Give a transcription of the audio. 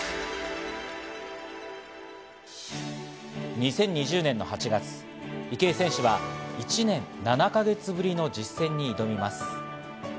２０２０年の８月、池江選手は１年７か月ぶりの実戦に挑みます。